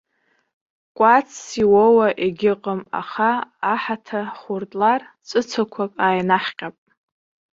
Кәацс иуоуа егьыҟам, аха аҳаҭа хуртлар, ҵәыцақәак ааинаҳҟьап.